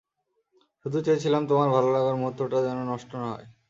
শুধু চেয়েছিলাম তোমার ভালোলাগার মুহূর্তটা যেন নষ্ট না হয়।